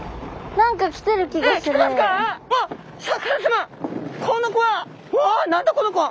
何だこの子は。